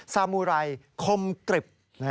สามูไรคมกริบ